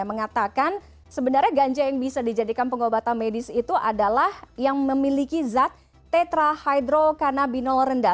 mengatakan sebenarnya ganja yang bisa dijadikan pengobatan medis itu adalah yang memiliki zat tetra hydrokanabinol rendah